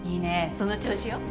その調子よ